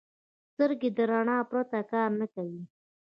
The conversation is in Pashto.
سترګې د رڼا نه پرته کار نه کوي